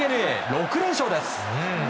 ６連勝です。